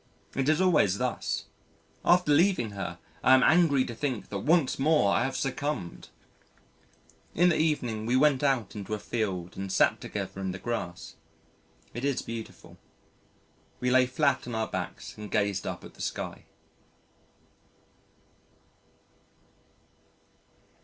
It is always thus. After leaving her, I am angry to think that once more I have succumbed. In the evening we went out into a field and sat together in the grass. It is beautiful. We lay flat on our backs and gazed up at the sky.